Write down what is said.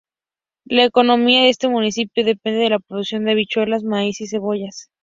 La economía de este municipio depende de la producción de habichuelas, maíz y cebollas.